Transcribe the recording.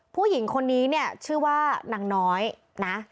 ผู้หญิงคนนี้เนี่ยชื่อว่านางน้อยนะ